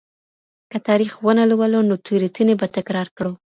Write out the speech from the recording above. که تاريخ ونه لولو نو تېروتني به تکرار کړو.